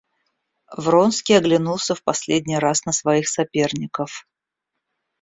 Вронский оглянулся в последний раз на своих соперников.